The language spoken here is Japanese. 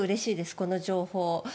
この情報。